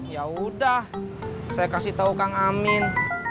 yaudah saya kasih tahu kang amin